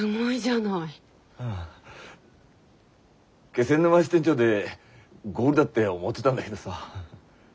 気仙沼支店長でゴールだって思ってだんだげどさ。